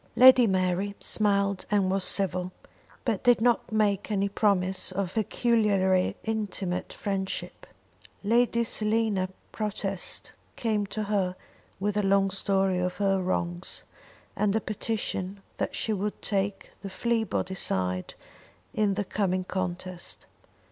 Lady Mary smiled and was civil, but did not make any promise of peculiarly intimate friendship. Lady Selina Protest came to her with a long story of her wrongs, and a petition that she would take the Fleabody side in the coming contest.